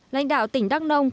lãnh đạo tỉnh đắk nông